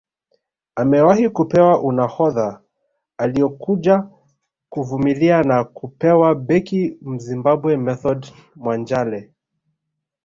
Amewahi kupewa unahodha aliokuja kuvuliwa na kupewa beki Mzimbabwe Method Mwanjale